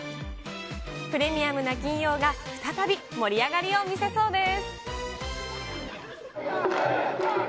プレミアムな金曜が、再び盛り上がりを見せそうです。